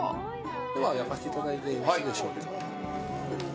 じゃあ、焼かせていただいてよろしいでしょうか。